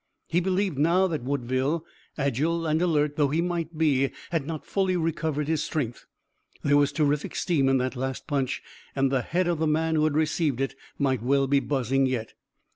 He believed now that Woodville, agile and alert though he might be, had not fully recovered his strength. There was terrific steam in that last punch and the head of the man who had received it might well be buzzing yet.